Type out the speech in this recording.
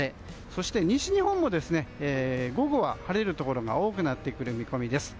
そして西日本も午後は晴れるところが多くなってくる見込みです。